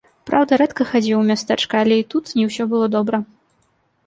Праўда, рэдка хадзіў у мястэчка, але і тут не ўсё было добра.